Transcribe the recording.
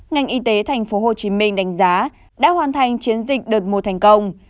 ngành y tế tp hcm đánh giá đã hoàn thành chiến dịch đợt một thành công